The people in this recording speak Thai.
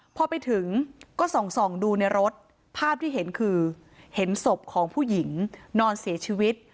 พอไปถึงก็ส่องดูในรถภาพที่เห็นคือเห็นศพของผู้หญิงนอนเสียชีวิต